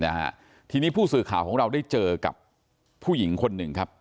นะฮะทีนี้ผู้สื่อข่าวของเราได้เจอกับผู้หญิงคนหนึ่งครับ